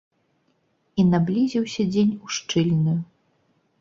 І наблізіўся дзень ушчыльную.